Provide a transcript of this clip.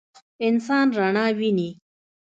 انسان رڼا ویني.